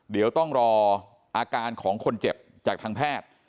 เดี๋ยวต้องรออาการของคนเจ็บจากทางแพทย์